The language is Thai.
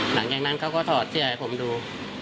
หลังจากนั้นเขาก็ถอดเสื้อให้ผมดู